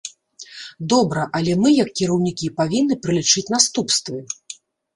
Добра, але мы, як кіраўнікі, павінны пралічыць наступствы.